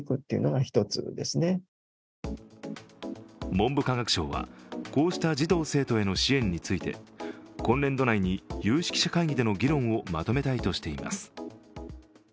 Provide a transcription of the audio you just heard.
文部科学省はこうした児童生徒への支援について今年度内に有識者会議での議論をまとめたいとしています。